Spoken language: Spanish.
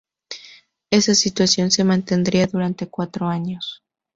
Esa situación se mantendría durante cuatro años.